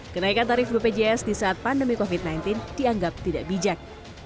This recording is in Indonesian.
kenaikan tarif bpjs di saat pandemi covid sembilan belas dianggap tidak bijak